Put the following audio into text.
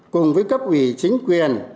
cùng với cấp ủy chính quyền